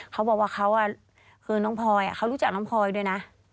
เขาบอกว่าเขาคือน้องพลอยเขารู้จักน้องพลอยด้วยนะ